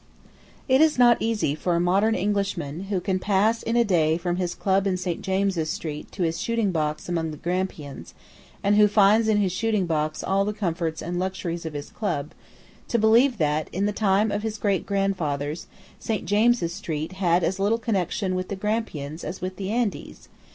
It is not easy for a modern Englishman, who can pass in a day from his club in St. James's Street to his shooting box among the Grampians, and who finds in his shooting box all the comforts and luxuries of his club, to believe that, in the time of his greatgrandfathers, St. James's Street had as little connection with the Grampians as with the Andes.